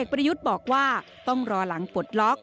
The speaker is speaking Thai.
ประยุทธ์บอกว่าต้องรอหลังปลดล็อก